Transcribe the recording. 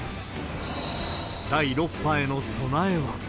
第６波への備えは。